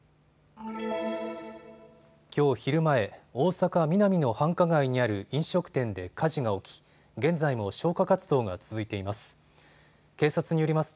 きょう昼前、大阪ミナミの繁華街にある飲食店で火事が起き現在も消火活動が続いています。